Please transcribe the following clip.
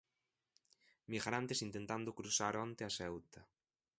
Migrantes intentando cruzar onte a Ceuta.